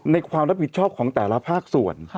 ความรับผิดชอบของแต่ละภาคส่วน